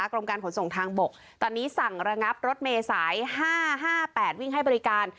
กรมการขนส่งทางบกตอนนี้สั่งระงับรถเมษาย๕๕๘วิ่งให้บริการ